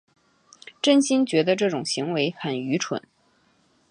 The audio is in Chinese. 真心觉得这种行为很愚蠢